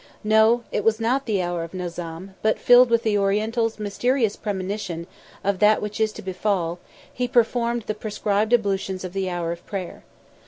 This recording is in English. No! it was not the Hour of Nazam, but filled with the Oriental's mysterious premonition of that which is to befall, he performed the prescribed ablutions of the Hour of Prayer.